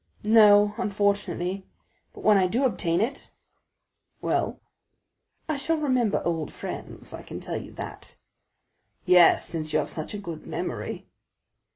"No, unfortunately; but when I do obtain it——" "Well?" "I shall remember old friends, I can tell you that." "Yes, since you have such a good memory."